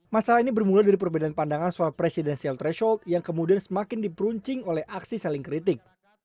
masalah ini bermula dari perbedaan pandangan soal presidensial threshold yang kemudian semakin diperuncing oleh aksi saling kritik